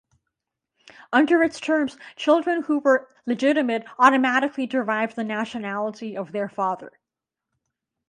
Under its terms children who were legitimate automatically derived the nationality of their father.